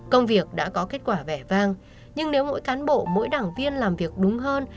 công việc đã có kết quả vẻ vang nhưng nếu mỗi cán bộ mỗi đảng viên làm việc đúng hơn